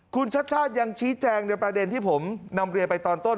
คุณชัดชาติยังชี้แจงในประเด็นที่ผมนำเรียนไปตอนต้น